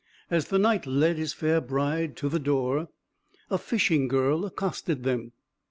As the Knight led his fair bride to the door, a fishing girl accosted them.